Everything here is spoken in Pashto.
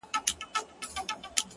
چي نه عادت نه ضرورت وو؛ مينا څه ډول وه؛